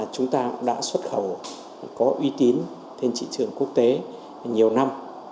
chúng ta đã xuất khẩu có uy tín trên thị trường quốc tế nhiều năm